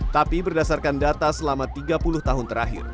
tapi berdasarkan data selama tiga puluh tahun terakhir